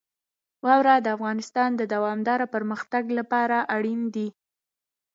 واوره د افغانستان د دوامداره پرمختګ لپاره اړین دي.